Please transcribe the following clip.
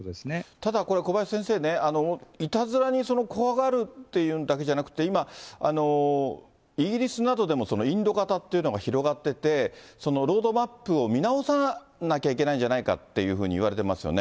ただこれ、小林先生ね、いたずらに怖がるっていうだけじゃなくて、今、イギリスなどでもインド型っていうのが広がってて、ロードマップを見直さなければいけないんじゃないかっていうふうにいわれてますよね。